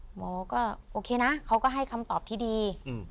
หมอก็โอเคนะเขาก็ให้คำตอบที่ดี